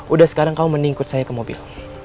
udah sekarang kamu mending ikut saya ke mobil